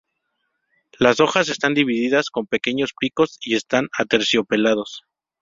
Las hojas están divididas con pequeños picos y están aterciopelados.